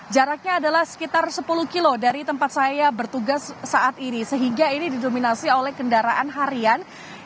jaraknya adalah sekitar sepuluh km dari tempat saya bertugas saat ini sehingga ini didominasi oleh kendaraan harian